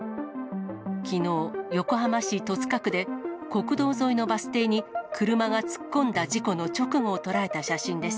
きのう、横浜市戸塚区で国道沿いのバス停に車が突っ込んだ事故の直後を捉えた写真です。